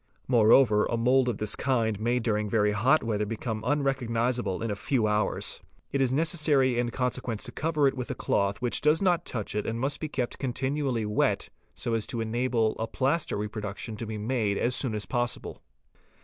Moreover a mould of this kind may during very hot weather become unrecognisable in a few hours. It is necessary in consequence to cover it with a cloth which does not touch it and must be kept continually wet, so as to enable a plaster reproduction to be made as soon as possible.